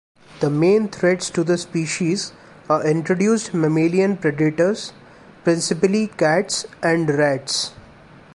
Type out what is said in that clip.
The main threats to the species are introduced mammalian predators, principally cats and rats.